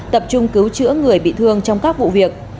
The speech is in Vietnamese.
tập trung cứu chữa người bị thương trong các vụ việc